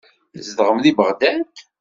Tzedɣem deg Beɣdad?